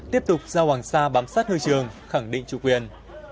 tiếp tục giao hoàng sa bám sát hư trường khẳng định chủ quyền